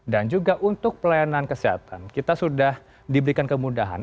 dan juga untuk pelayanan kesehatan kita sudah diberikan kemudahan